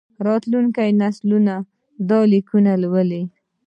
راتلونکي نسلونه دا لیکونه لولي.